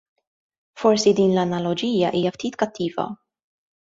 Forsi din l-analoġija hija ftit kattiva.